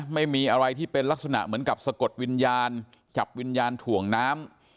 ไม่มีอะไรที่เป็นลักษณะเหมือนกับสะกดวิญญาณจับวิญญาณถ่วงน้ำ